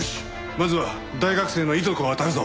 まずは大学生の遺族をあたるぞ。